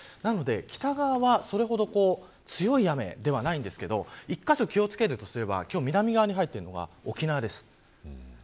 北側はそれほど強い雨ではないんですが１カ所、気を付けるとすれば南側に入っているのが沖縄です。